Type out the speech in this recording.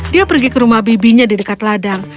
dia pergi ke rumah bibinya di dekat ladang